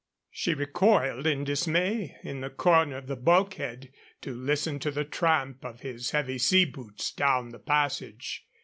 She recoiled in dismay in the corner of the bulkhead to listen to the tramp of his heavy sea boots down the passage.